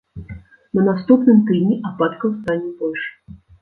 На наступным тыдні ападкаў стане больш.